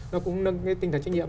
nó cũng nâng cái tinh thần trách nhiệm